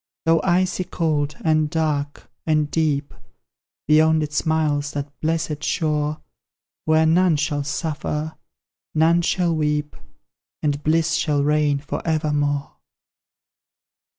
Though icy cold, and dark, and deep; Beyond it smiles that blessed shore, Where none shall suffer, none shall weep, And bliss shall reign for evermore!